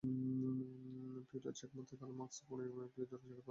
পিওতর চেকমাথায় কালো মাস্ক মুড়িয়ে পিওতর চেকের প্রধান কাজ চেলসির গোলপোস্ট সুরক্ষিত রাখা।